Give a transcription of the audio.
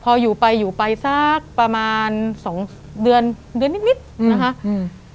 พออยู่ไปอยู่ไปสักประมาณสองเดือนเดือนนิดนิดนะคะอืม